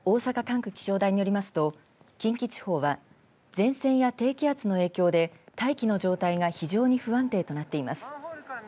大阪管区気象台によりますと近畿地方は前線や低気圧の影響で大気の状態が非常に不安定となっています。